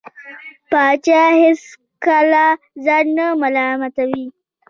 پاچا هېڅکله ځان نه ملامتوي .